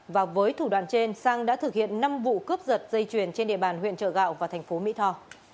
và với thủ đoạn trên sang đã thực hiện năm vụ cướp giật dây chuyền trên địa bàn huyện trợ gạo và thành phố mỹ tho